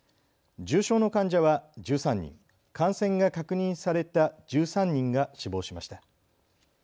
重症の患者は１３人、感染が確認された１３人が死亡しました。